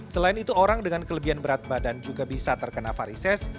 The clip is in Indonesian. selain itu orang dengan kelebihan berat badan juga bisa terkena varises